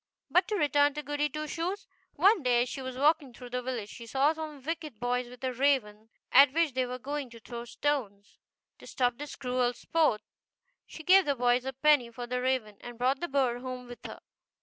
But to return to Goody Two Shoes. One day as she was walking through the village she saw some wicked boys with a raven, at which they were going to throw stones. To stop this cruel sport she gave the boys a penny for the raven, and brought the bird home with her.